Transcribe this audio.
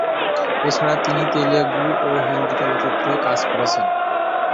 এছাড়া তিনি তেলুগু ও হিন্দি চলচ্চিত্রেও কাজ করেছেন।